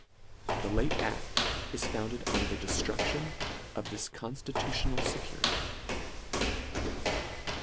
The late aft is founded on the deftruclion of this conftitutional fecurity.